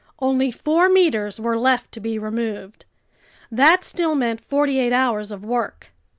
Only four meters were left to be removed. That still meant forty eight hours of work.